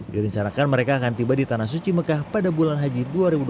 direncanakan mereka akan tiba di tanah suci mekah pada bulan haji dua ribu dua puluh